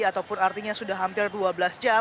ataupun artinya sudah hampir dua belas jam